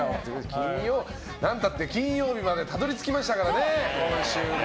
なんたって、金曜日までたどり着きましたからね、今週も。